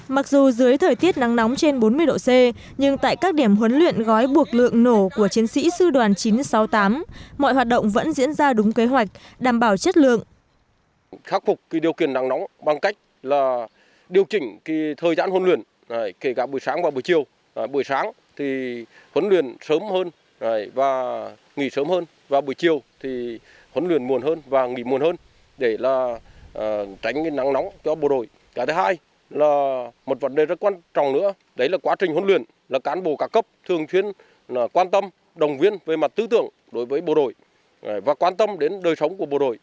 mặc dù dưới thời tiết nắng nóng trên bốn mươi độ c nhưng tại các điểm huấn luyện gói buộc lượng nổ của chiến sĩ sư đoàn chín trăm sáu mươi tám mọi hoạt động vẫn diễn ra đúng kế hoạch đảm bảo chất lượng